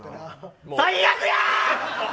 最悪や。